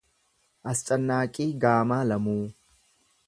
Ascannaaqii Gaamaa Lamuu